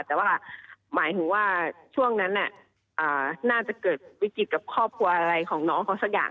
แต่ว่าหมายถึงว่าช่วงนั้นน่าจะเกิดวิกฤตกับครอบครัวอะไรของน้องเขาสักอย่าง